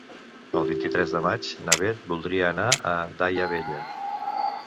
El vint-i-tres de maig na Beth voldria anar a Daia Vella.